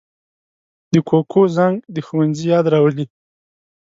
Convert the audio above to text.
د کوکو زنګ د ښوونځي یاد راولي